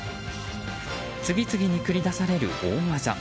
次々に繰り出される大技。